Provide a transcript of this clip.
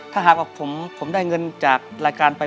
ถ้าผมได้เงินจากรายการไป